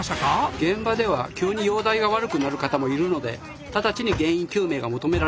現場では急に容体が悪くなる方もいるので直ちに原因究明が求められます。